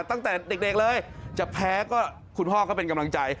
ตั้งแต่เด็กเลยจะแพ้ก็คุณพ่อก็เป็นกำลังใจ